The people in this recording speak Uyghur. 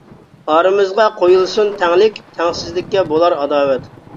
ئارىمىزغا قويۇلسۇن تەڭلىك، تەڭسىزلىكتە بولار ئاداۋەت.